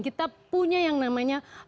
kita punya yang namanya